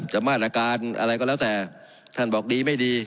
มาตรการอะไรก็แล้วแต่ท่านบอกดีไม่ดี